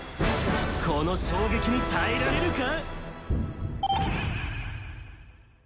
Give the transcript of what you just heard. この衝撃に耐えられるか。